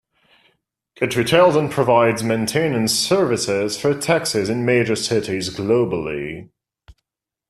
It retails and provides maintenance services for taxis in major cities globally.